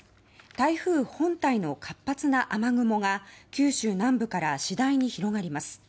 台風本体の活発な雨雲が九州南部から次第に広がります。